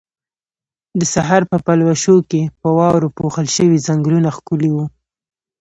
د سحر په پلوشو کې په واورو پوښل شوي ځنګلونه ښکلي وو.